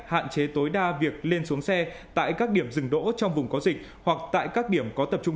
hạn chế tối đa việc lên xuống xe tại các điểm dừng đỗ trong vùng có dịch hoặc tại các điểm có tập trung